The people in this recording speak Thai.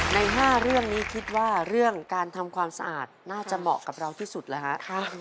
ใน๕เรื่องนี้คิดว่าเรื่องการทำความสะอาดน่าจะเหมาะกับเราที่สุดแล้วฮะ